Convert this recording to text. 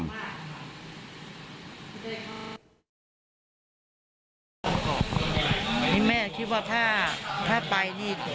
พี่แม่คิดว่าถ้าไป